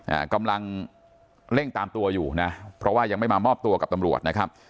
อ่ากำลังเร่งตามตัวอยู่นะเพราะว่ายังไม่มามอบตัวกับตำรวจนะครับ